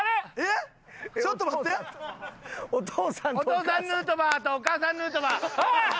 お父さんヌートバーとお母さんヌートバー。